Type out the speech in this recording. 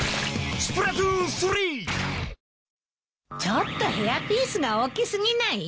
ちょっとヘアピースが大き過ぎない？